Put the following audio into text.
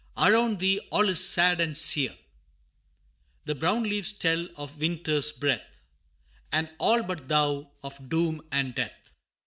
Around thee all Is sad and sere, The brown leaves tell Of winter's breath, And all but thou Of doom and death.